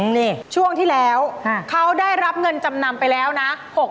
นี่ช่วงที่แล้วเขาได้รับเงินจำนำไปแล้วนะ